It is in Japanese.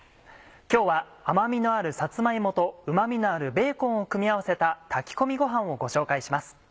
今日は甘みのあるさつま芋とうま味のあるベーコンを組み合わせた炊き込みごはんをご紹介します。